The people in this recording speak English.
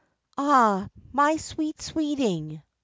Ah, my sweet sweeting!